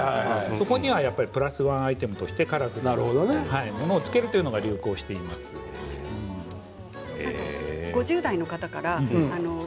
そこにプラスワンのアイテムとしてカラフルなものをつける５０代の方から。